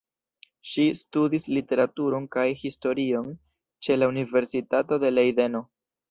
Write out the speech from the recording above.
Ŝi studis literaturon kaj historion ĉe la Universitato de Lejdeno.